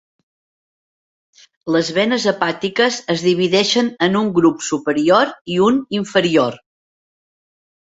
Les venes hepàtiques es divideixen en un grup superior i un inferior.